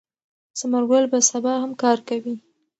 ثمر ګل به سبا هم کار کوي.